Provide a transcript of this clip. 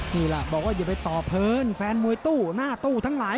นี่แหละบอกว่าอย่าไปต่อเพลินแฟนมวยตู้หน้าตู้ทั้งหลาย